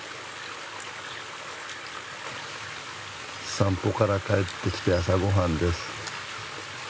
散歩から帰ってきて朝ごはんです。